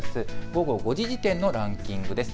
午後５時時点のランキングです。